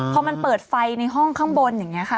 พอมันเปิดไฟในห้องข้างบนอย่างนี้ค่ะ